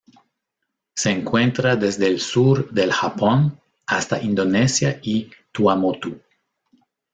Se encuentra desde el sur del Japón hasta Indonesia y Tuamotu.